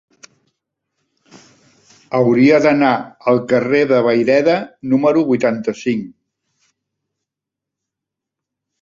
Hauria d'anar al carrer de Vayreda número vuitanta-cinc.